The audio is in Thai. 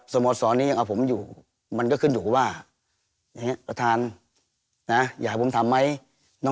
โมสรนี้ยังเอาผมอยู่มันก็ขึ้นอยู่ว่าประธานอยากให้ผมทำไหม